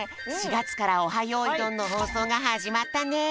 ４がつから「オハ！よいどん」のほうそうがはじまったね！